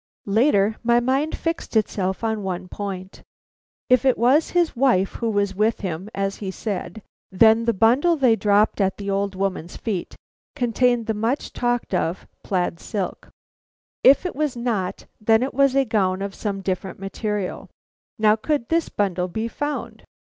Later, my mind fixed itself on one point. If it was his wife who was with him, as he said, then the bundle they dropped at the old woman's feet contained the much talked of plaid silk. If it was not, then it was a gown of some different material. Now, could this bundle be found?